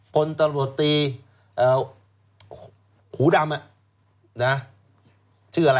พนธรรมโรศตีขูดำเนี่ยชื่ออะไร